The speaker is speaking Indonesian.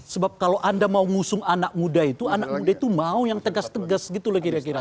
sebab kalau anda mau ngusung anak muda itu anak muda itu mau yang tegas tegas gitu lah kira kira